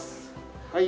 はい。